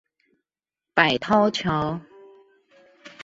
百韜橋